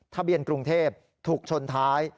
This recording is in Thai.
ทะเบียนกรุงเทพถูกชนท้าย